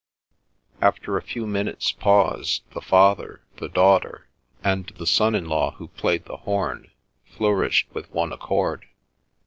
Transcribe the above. After a few minutes' pause, the father, the daughter, and the son in law who played the horn flourished with one accord.